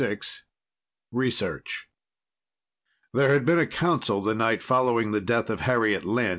VI Research There had been a council the night following the death of Harriet Lynn.